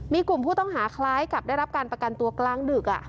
มีกลุ่มผู้ต้องหาคล้ายกับได้รับการประกันตัวกลางดึก